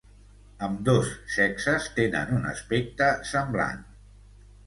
Ambdós sexes tenen un aspecte semblant.